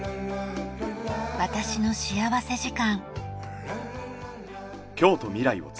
『私の幸福時間』。